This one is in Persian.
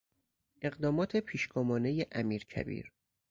اقدامات پیشگامانهی امیرکبیر